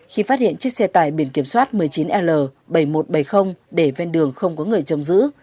khi phát hiện chiếc xe tải biển kiểm soát một mươi chín l bảy nghìn một trăm bảy mươi để ven đường không có người chông giữ